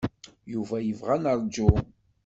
Yuba yebɣa ad neṛju.